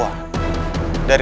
dari kuranda geni